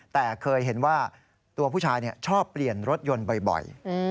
แต่เคยเห็นว่าตัวผู้ชายชอบเปลี่ยนรถยนต์บ่อย